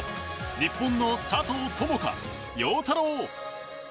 日本の佐藤友花、陽太郎。